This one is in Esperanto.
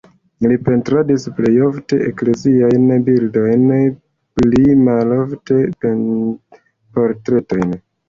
Li pentradis plej ofte ekleziajn bildojn, pli malofte portretojn.